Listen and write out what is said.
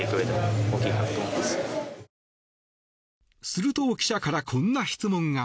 すると、記者からこんな質問が。